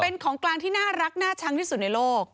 เป็นของกลางที่น่ารักน่าชังที่สุดในโลก